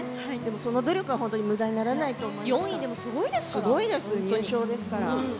その努力は本当にむだにならないと４位でもすごいですから。